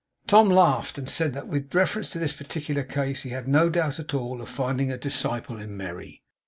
Tom laughed, and said that with reference to this particular case he had no doubt at all of finding a disciple in Merry.